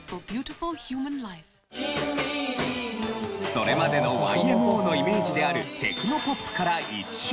それまでのＹ．Ｍ．Ｏ．のイメージであるテクノポップから一新！